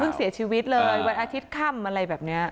เสียชีวิตเลยวันอาทิตย์ค่ำอะไรแบบนี้